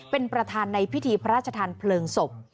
เป็นประธานในพิธีพระราชทานเพลิงศพ